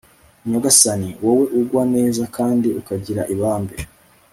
nyagasani, wowe ugwa neza kandi ukagira ibambe